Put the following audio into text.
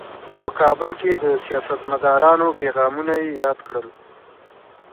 په کابل کې د سیاستمدارانو پیغامونه یې یاد کړل.